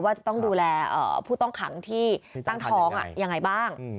ว่าจะต้องดูแลผู้ต้องขังที่ตั้งท้องยังไงบ้าง